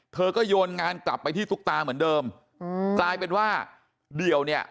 เธอก็โยนงานกลับไปที่ตุ๊กตาเหมือนเดิมอืมกลายเป็นว่าเดี่ยวเนี่ย